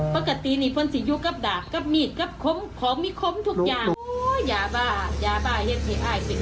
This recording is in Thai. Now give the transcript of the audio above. อ๋อปกตินี้พนสิอยู่กับดากกับมีตกับของมีขมทุกอย่างโอ้ยาบ้ายาบ้าเห็นเท่าไหร่